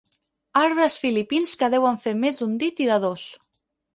Arbres filipins que deuen fer més d'un dit i de dos.